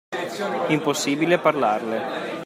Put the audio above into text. Impossibile parlarle.